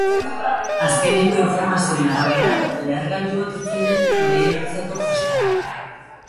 Azkenengo informazioen arabera, lehergailuak ez zeuden lehertzeko prestatuak.